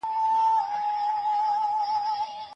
که یو خاوند د خپلي میرمنې یو خوی یا عادت نه خوښوي